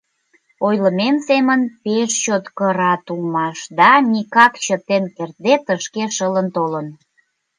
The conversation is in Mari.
Ойлымем семын, пеш чот кырат улмаш, да Микак, чытен кертде, тышке шылын толын.